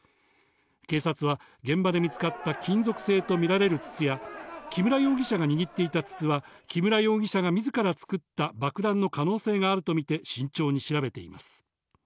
警察は現場で見つかった金属製と見られる筒や、木村容疑者が握っていた筒は、木村容疑者がみずから作った爆弾の可能性があると見て慎重に調べています。